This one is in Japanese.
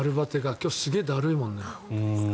今日、すげえだるいもんね。